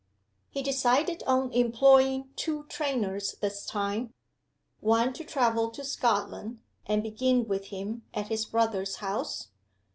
He decided on employing two trainers this time. One to travel to Scotland, and begin with him at his brother's house.